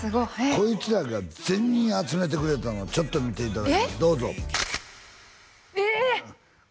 こいつらが全員集めてくれたのちょっと見ていただきますどうぞえ！え！？